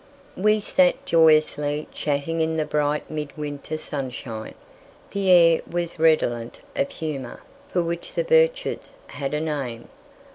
We sat joyously chatting in the bright midwinter sunshine. The air was redolent of humour, for which the Burchetts had a name.